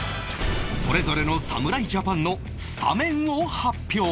それぞれの侍ジャパンのスタメンを発表